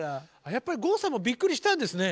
やっぱり郷さんもびっくりしたんですね。